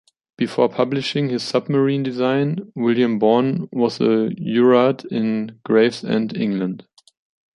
Before publishing his submarine design, William Bourne was a jurat in Gravesend, England.